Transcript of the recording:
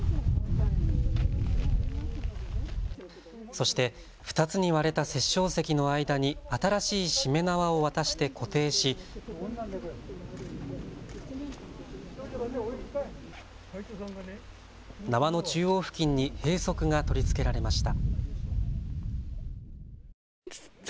そして２つに割れた殺生石の間に新しいしめ縄を渡して固定し縄の中央付近に幣束が取り付けられました。